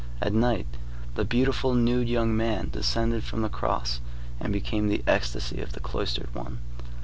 At night, the beautiful, nude young man descended from the cross and became the ecstasy of the cloistered one.